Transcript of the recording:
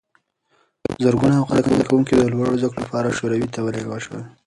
زرګونه افغان زدکوونکي د لوړو زده کړو لپاره شوروي ته ولېږل شول.